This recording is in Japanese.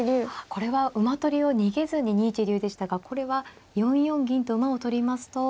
これは馬取りを逃げずに２一竜でしたがこれは４四銀と馬を取りますと。